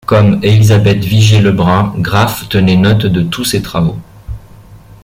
Comme Élisabeth Vigée-Lebrun, Graff tenait note de tous ses travaux.